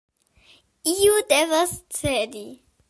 Iu devas cedi.